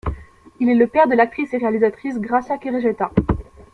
Il est le père de l'actrice et réalisatrice Gracia Querejeta.